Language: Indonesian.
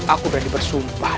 aku berani bersumpah